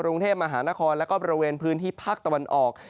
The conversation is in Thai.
กรุงเทพมหานครแล้วก็บริเวณพื้นที่ภาคตะวันออก